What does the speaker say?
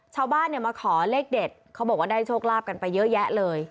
ชาวบ้านเนี่ยมาขอเลขเด็ดเขาบอกว่าได้โชคลาภกันไปเยอะแยะเลย